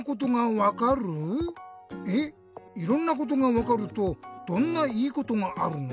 えっいろんなことがわかるとどんないいことがあるの？